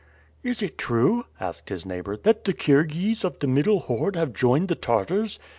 "Is it true," asked his neighbor, "that the Kirghiz of the middle horde have joined the Tartars?"